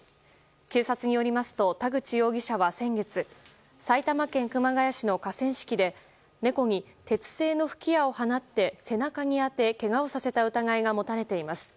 警察によりますと田口容疑者は先月埼玉県熊谷市の河川敷で猫に鉄製の吹き矢を放って背中に当て、けがをさせた疑いが持たれています。